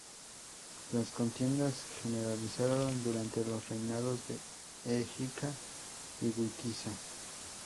Las contiendas se generalizaron durante los reinados de Égica y Witiza.